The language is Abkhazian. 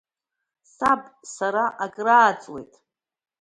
Саб, сара акрааҵуеит…